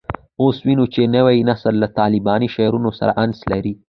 اوس وینو چې نوی نسل له طالباني شعارونو سره انس لري